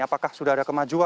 apakah sudah ada kemajuan